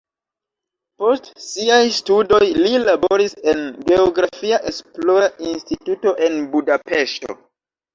Post siaj studoj li laboris en geografia esplora instituto en Budapeŝto.